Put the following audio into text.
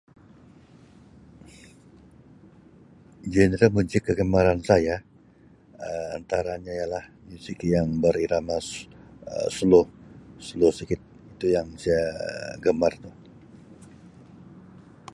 Genre muzik kegemaran saya Um antaranya ialah muzik yang berirama Um slow slow sikit tu yang saya gemar tu.